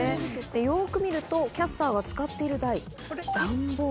よく見るとキャスターが使っている台。